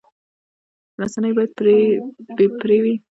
رسنۍ باید بې پرې وي